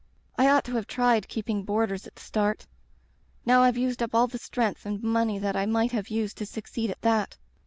I ought to have tried keeping boarders at the start. Now Fve used up all the strength and money that I might have used to succeed at that.